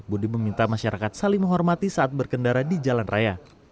budi meminta masyarakat saling menghormati saat berkendara di jalan raya